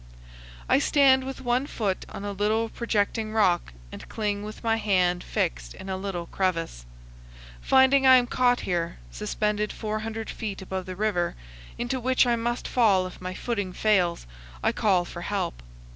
I stand with one foot on a little projecting rock and cling with my hand fixed in a little crevice. Finding I am caught here, suspended 400 feet above the river, into which I must fall if my footing fails, I call for help.